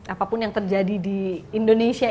apapun yang terjadi di indonesia